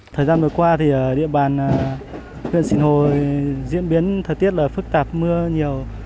thời gian vừa qua thì địa bàn huyện sinh hồ diễn biến thời tiết là phức tạp mưa nhiều